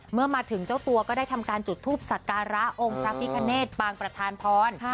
เมื่อมาถึงเจ้าตัวก็ได้ทำการจุดทูปสักการะองค์พระพิคเนตปางประธานพร